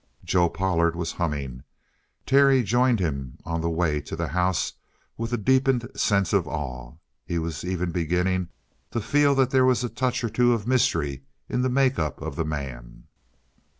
Joe Pollard was humming. Terry joined him on the way to the house with a deepened sense of awe; he was even beginning to feel that there was a touch or two of mystery in the make up of the man.